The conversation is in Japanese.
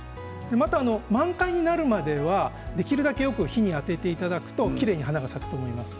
また、満開になるまではできるだけよく日に当てていただくときれいに花が咲くと思います。